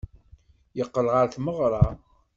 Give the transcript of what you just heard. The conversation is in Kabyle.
Yeqqel ɣer tmeɣra.